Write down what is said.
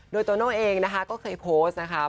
โดยโตโน่เองนะคะก็เคยโพสต์นะคะ